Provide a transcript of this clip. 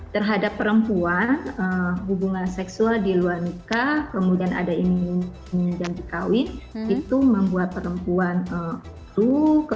terhadap perempuan hubungan seksual di luar nikah kemudian ada iming iming janji kawin itu membuat perempuan luhur